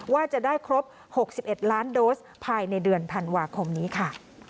ว่าจะได้ครบ๖๑ล้านโดสภายในเดือนธันวาคมนี้ค่ะ